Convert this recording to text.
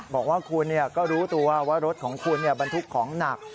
บอกว่าคุณก็รู้ตัวว่ารถของคุณบรรทุกของหนัก